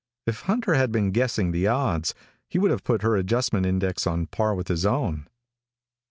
If Hunter had been guessing the odds, he would have put her adjustment index on a par with his own.